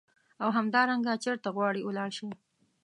او همدارنګه چیرته غواړې ولاړ شې.